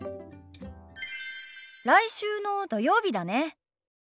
来週の土曜日だね。